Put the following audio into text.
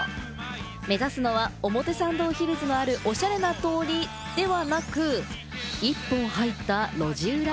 目指すのは表参道ヒルズのある、おしゃれな通りではなく、１本入った路地裏。